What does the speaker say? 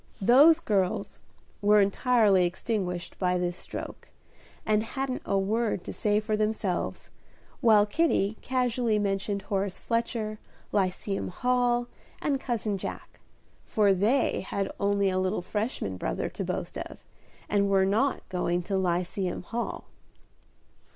"Those girls" were entirely extinguished by this stroke, and hadn't a word to say for themselves, while Kitty casually mentioned Horace Fletcher, Lyceum Hall, and Cousin Jack, for they had only a little Freshman brother to boast of, and were not going to Lyceum Hall.